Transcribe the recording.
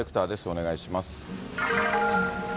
お願いします。